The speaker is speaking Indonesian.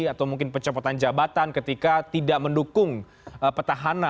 atau mungkin pencopotan jabatan ketika tidak mendukung petahana